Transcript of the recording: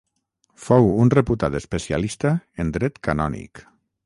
Fou un reputat especialista en dret canònic.